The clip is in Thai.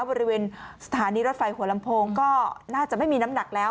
บริเวณสถานีรถไฟหัวลำโพงก็น่าจะไม่มีน้ำหนักแล้ว